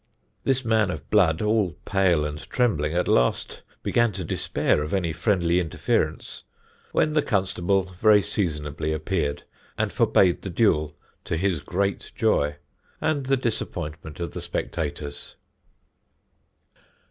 This man of blood, all pale and trembling, at last began to despair of any friendly interference, when the Constable very seasonably appeared and forbade the duel, to his great joy, and the disappointment of the spectators."